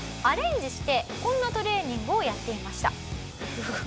アレンジしてこんなトレーニングをやっていました。